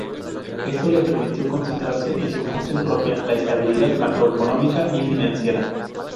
Esto le permitió concentrarse en su función propia: la estabilidad macroeconómica y financiera.